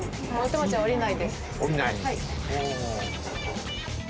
はい。